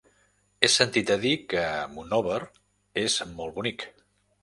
He sentit a dir que Monòver és molt bonic.